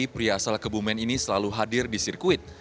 pria asal kebumen ini selalu hadir di sirkuit